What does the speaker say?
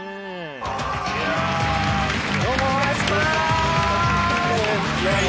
いやどうもお願いしまー